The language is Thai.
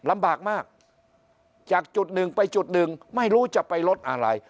ลำบากมากจากจุดหนึ่งไปจุดหนึ่งไม่รู้จะไปลดอะไร